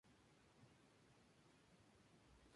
El título continua en vigor.